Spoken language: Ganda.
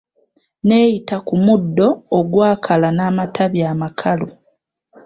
N'eyita ku muddo ogwakala n'amatabi amakalu.